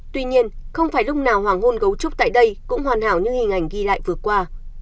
tuy nhiên không phải lúc nào hoàng hôn gấu trúc tại đây cũng hoàn hảo như hình ảnh ghi lại vừa qua